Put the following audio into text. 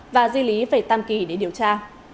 và di lý về tàm kỳ để điều tra